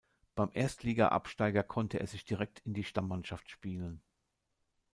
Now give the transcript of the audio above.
Beim Erstligaabsteiger konnte er sich direkt in die Stammmannschaft spielen.